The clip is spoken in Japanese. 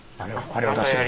あれを出して。